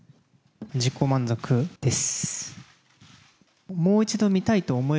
自己満足です。